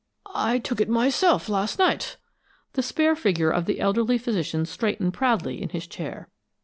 "I took it myself, last night." The spare figure of the elderly physician straightened proudly in his chair.